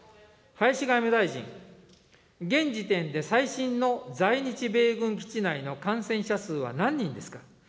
林外務大臣、現時点で最新の在日米軍基地内の感染者数は何人ですか。